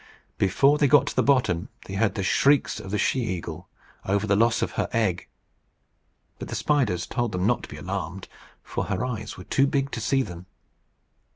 Before they got to the bottom, they heard the shrieks of the she eagle over the loss of her egg; but the spiders told them not to be alarmed, for her eyes were too big to see them.